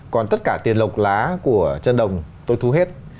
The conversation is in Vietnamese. còn tất cả tiền lộc lá của chân đồng tôi thu hết